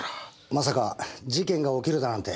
まさか事件が起きるだなんて。